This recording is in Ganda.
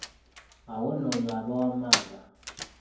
Awo nno oyo aba wa Mmamba.